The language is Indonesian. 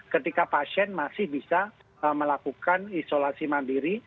ketika pasien masih bisa melakukan isolasi mandiri